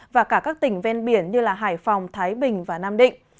và cả các tỉnh ven biển như hải phòng thái bình và nam định